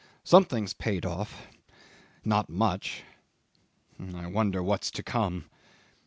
"Something's paid off not much. I wonder what's to come."